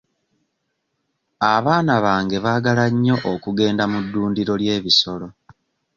Abaana bange baagala nnyo okugenda mu ddundiro ly'ebisolo.